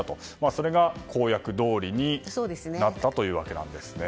それが公約どおりになったというわけなんですね。